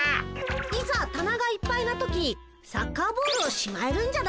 いざたながいっぱいな時サッカーボールをしまえるんじゃないかな。